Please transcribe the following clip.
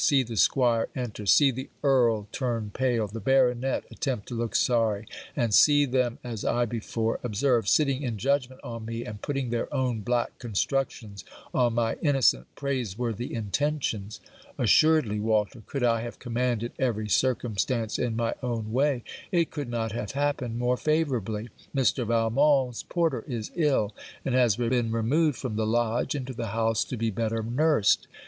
See the squire enter See the earl turn pale; the baronet attempt to look sorry; and see them, as I before observed, sitting in judgment on me, and putting their own black constructions on my innocent praise worthy intentions. Assuredly, Walter, could I have commanded every circumstance in my own way, it could not have happened more favourably. Mr. Valmont's porter is ill, and has been removed from the lodge into the house to be better nursed.